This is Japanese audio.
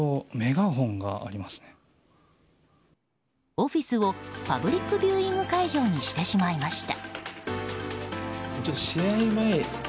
オフィスをパブリックビューイング会場にしてしまいました。